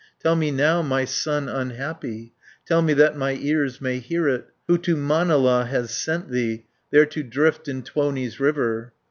"Tell me now, my son unhappy, Tell me that my ears may hear it, 570 Who to Manala has sent thee, There to drift in Tuoni's river?"